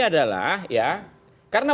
adalah ya karena